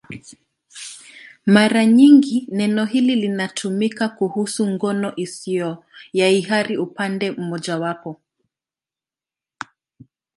Mara nyingi neno hili linatumika kuhusu ngono isiyo ya hiari upande mmojawapo.